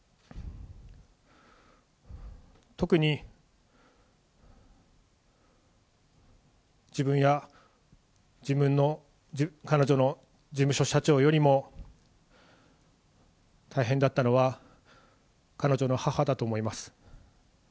特に自分や彼女の事務所社長よりも大変だったのは、彼女の母だと思います。